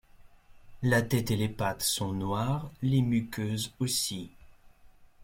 La tête et les pattes sont noires, les muqueuses aussi.